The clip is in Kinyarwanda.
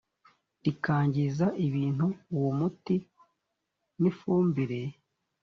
rikangiza ibintu uwo muti n ifumbire